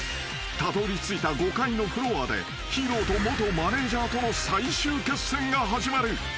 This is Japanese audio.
［たどりついた５階のフロアでヒーローと元マネジャーとの最終決戦が始まる］